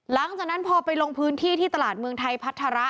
หลังจากนั้นพอไปลงพื้นที่ที่ตลาดเมืองไทยพัฒระ